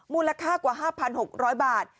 มูลค่ากว่า๕๖๐๐บาท